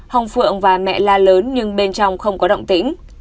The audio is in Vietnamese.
hồng phượng và mẹ la lớn nhưng bên trong không có động tĩnh